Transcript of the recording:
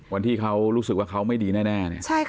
วันที่เขารู้สึกว่าเขาไม่ดีแน่